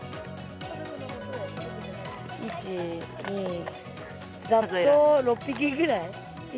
１、２、ざっと６匹ぐらい。